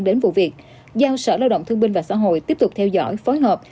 đến vụ việc giao sở lao động thương binh và xã hội tiếp tục theo dõi phối hợp